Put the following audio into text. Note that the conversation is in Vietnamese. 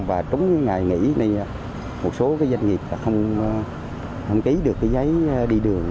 và trúng ngày nghỉ một số doanh nghiệp không ký được giấy đi đường